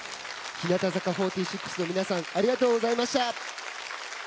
日向坂４６の皆さんありがとうございました。